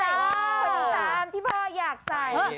คนที่๓ที่พ่ออยากใส่